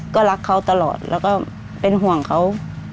ก็รักเขาตลอดแล้วก็เป็นห่วงเขา